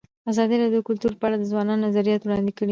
ازادي راډیو د کلتور په اړه د ځوانانو نظریات وړاندې کړي.